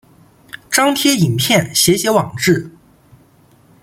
张贴影片写写网志